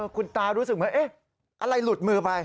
คุณตารู้สึกว่าเอ๊ะอะไรหลุดมือไป